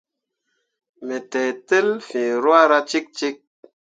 Me teitel fiŋ ruahra cikcik.